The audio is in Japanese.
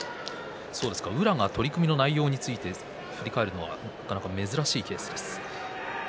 宇良が取組の内容を振り返るのはなかなか珍しいケースです。